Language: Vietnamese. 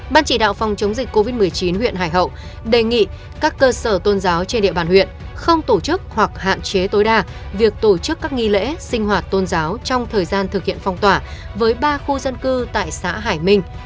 ban chỉ đạo phòng chống dịch covid một mươi chín huyện hải hậu đề nghị các cơ sở tôn giáo trên địa bàn huyện không tổ chức hoặc hạn chế tối đa việc tổ chức các nghi lễ sinh hoạt tôn giáo trong thời gian thực hiện phong tỏa với ba khu dân cư tại xã hải minh